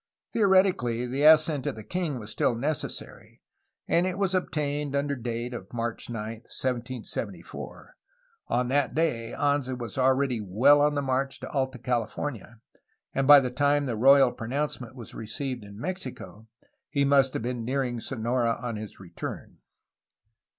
Theoretically the assent of the king was still necessary, and it w^as obtained under date of March 9, 1774. On that day Anza was already well on the march to Alta California, and by the time the royal pronouncement was received in Mexico he must have been nearing Sonora on his return.